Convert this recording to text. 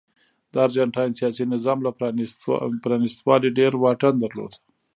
د ارجنټاین سیاسي نظام له پرانیستوالي ډېر واټن درلود.